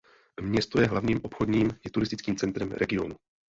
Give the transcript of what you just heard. Město je hlavním obchodním i turistickým centrem regionu.